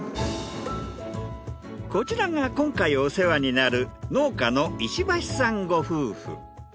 こちらが今回お世話になる農家の石橋さんご夫婦。